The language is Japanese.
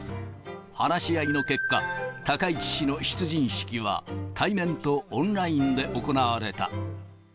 話し合いの結果、高市氏の出陣式は対面とオンラインで行われた。